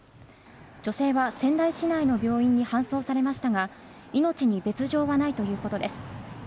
女性は仙台市内の病院に搬送されましたが命に別条はないということです。